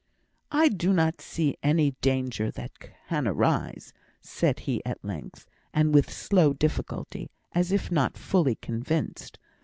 "I do not see any danger that can arise," said he at length, and with slow difficulty, as if not fully convinced.